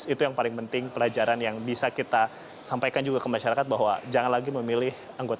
itu yang paling penting pelajaran yang bisa kita sampaikan juga ke masyarakat bahwa jangan lagi memilih anggota